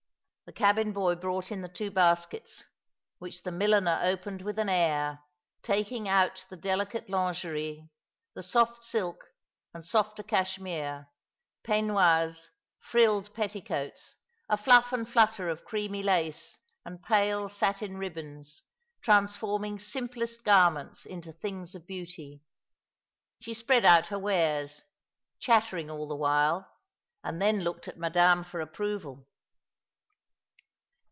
The cabin boy brought in the two baskets, which the milliner opened with an air, taking out the delicate lingerie, the soft silk and softer cashmere — peignoirs, frilled petticoats, a fluff and flutter of creamy lace and pale satin ribbons, transforming simplest garments into things of beauty. She spread out her wares, chattering aJl the while, and then looked at Madame for approval.